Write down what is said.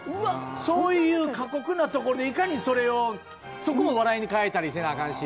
そういう過酷なところで、いかにそれを、そこも笑いに変えたりせなあかんし。